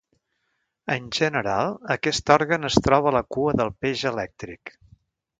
En general, aquest òrgan es troba a la cua del peix elèctric.